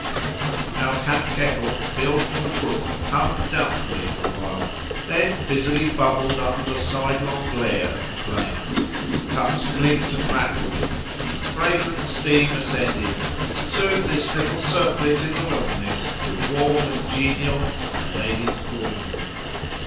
Our camp kettle, filled from the brook, hummed doubtfully for a while, then busily bubbled under the sidelong glare of the flames; cups clinked and rattled; the fragrant steam ascended, and soon this little circlet in the wilderness grew warm and genial as my lady's drawing room.